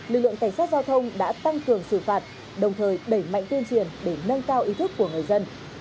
lực lượng cảnh sát giao thông đã tăng cường xử phạt đồng thời đẩy mạnh tuyên truyền để nâng cao ý thức của người dân